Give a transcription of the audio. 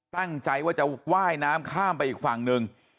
ตั้งใจว่าจะว่ายน้ำข้ามไปอีกฝั่งหนึ่ง